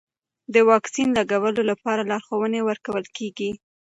د واکسین لګولو لپاره لارښوونې ورکول کېږي.